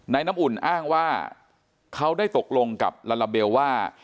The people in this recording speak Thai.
น้ำอุ่นอ้างว่าเขาได้ตกลงกับลาลาเบลว่า